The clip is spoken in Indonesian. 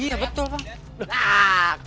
iya betul pak